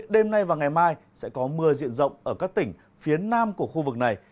đêm nay và ngày mai sẽ có mưa diện rộng ở các tỉnh phía nam của khu vực này